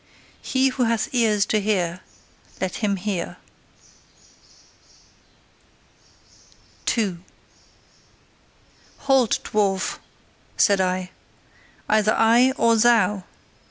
He who hath ears to hear, let him hear. 2. "Halt, dwarf!" said I. "Either I or thou!